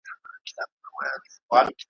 دلته مه راځۍ ښکاري تړلی لام دی `